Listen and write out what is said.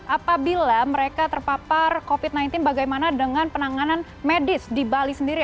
apabila mereka terpapar covid sembilan belas bagaimana dengan penanganan medis di bali sendiri